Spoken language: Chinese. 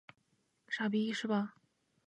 傻逼是吧？